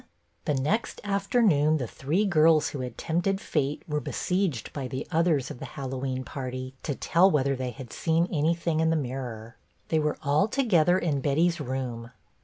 The next afternoon the three girls who had tempted fate were besieged by the others of the Hallowe'en party to tell whether they had seen anything in the mirror. They were BETTY BAIRD 1 24 all together in Betty's room.